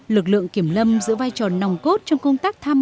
lực lượng kiểm lâm giữ vai tròn nòng cốt trong công tác tham